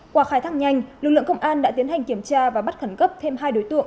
qua khai thác nhanh lực lượng công an đã tiến hành kiểm tra và bắt khẩn cấp thêm hai đối tượng